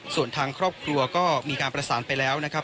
ส่วนทางครอบครัวก็มีการประสานไปแล้วนะครับ